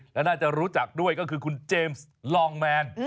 และน่าจะรู้จักด้วยก็คือคุณเจมส์ลองแมน